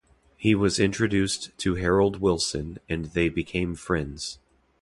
He was introduced to Harold Wilson and they became friends.